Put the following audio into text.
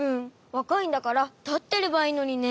わかいんだからたってればいいのにね。